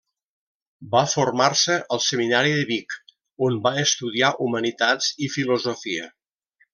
Va formar-se al Seminari de Vic, on va estudiar humanitats i filosofia.